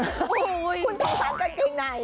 คุณสงสารกางเกงไหน